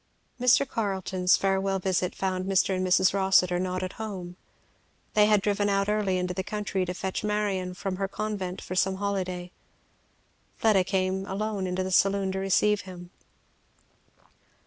Mr. Carleton's farewell visit found Mr. and Mrs. Rossitur not at home. They had driven out early into the country to fetch Marion from her convent for some holiday. Fleda came alone into the saloon to receive him.